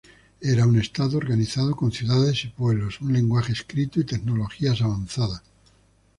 Era un Estado organizado con ciudades y pueblos, un lenguaje escrito y tecnologías avanzadas.